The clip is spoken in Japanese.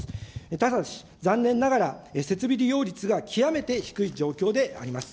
ただし、残念ながら設備利用率が極めて低い状況であります。